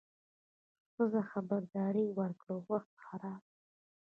ښځه خبرداری ورکړ: وخت خراب دی.